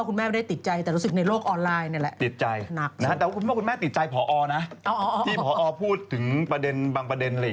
เขาก็เลยคิดว่าเขาแน่นอน